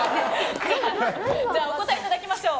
お答えいただきましょう。